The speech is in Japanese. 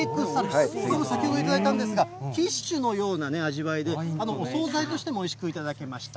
先ほど頂いたんですが、キッシュのような味わいで、お総菜としてもおいしく頂けました。